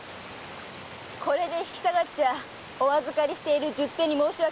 これで引き下がっちゃお預かりしている十手に申し訳がねえ。